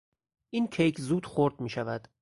این کیک زود خرد میشود.